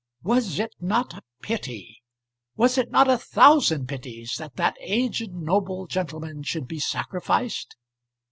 Was it not a pity? Was it not a thousand pities that that aged noble gentleman should be sacrificed?